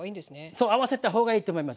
そう合わせた方がいいと思います。